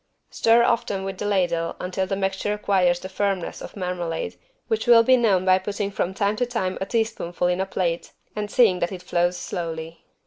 Stir often with the ladle until the mixture acquires the firmness of marmalade, which will be known by putting from time to time a teaspoonful in a plate and seeing that it flows slowly.